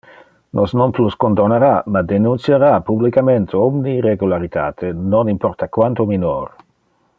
Nos non plus condonara, ma denunciara publicamente omne irregularitate, non importa quanto minor.